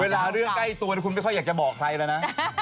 เรื่องใกล้ตัวคุณไม่ค่อยอยากจะบอกใครแล้วนะ